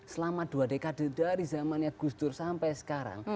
selama dua dekade dari zamannya gus dur sampai sekarang